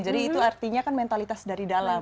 jadi itu artinya kan mentalitas dari dalam